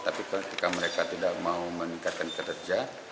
tapi ketika mereka tidak mau meningkatkan kinerja